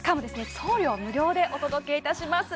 送料無料でお届けいたします